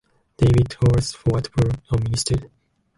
David Horace White Burr, a minister.